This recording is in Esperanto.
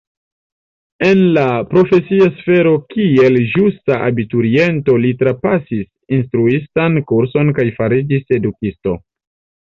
En la profesia sfero kiel ĵusa abituriento li trapasis instruistan kurson kaj fariĝis edukisto.